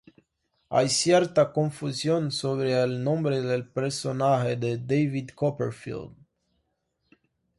Hay cierta confusión sobre el nombre del personaje de David Copperfield.